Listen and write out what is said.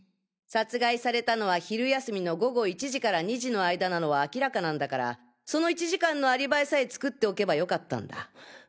殺害されたのは昼休みの午後１時から２時の間なのは明らかなんだからその１時間のアリバイさえ作っておけば良かったんだ。